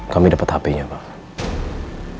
kami dapat hp nya pak